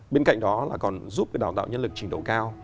bên cạnh đó là còn giúp cái đào tạo nhân lực trình độ cao